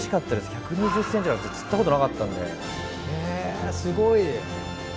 １２０ｃｍなんて釣ったことなかったので。